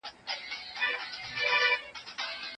د ژبې خدمت هم علم دی.